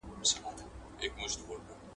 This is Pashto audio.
• تر خېښ، نس راپېش.